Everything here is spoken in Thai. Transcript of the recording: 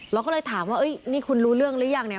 เราก็เลยถามว่านี่คุณรู้เรื่องหรือยังเนี่ย